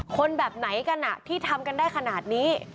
คนแบบไหนกันที่ทำกันได้ขนาดนี้